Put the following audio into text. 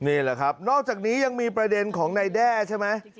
นี่แหละครับนอกจากนี้ยังมีประเด็นของนายแด้ใช่ไหม